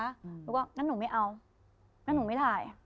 หนูก็งั้นหนูไม่เอางั้นหนูไม่ถ่าย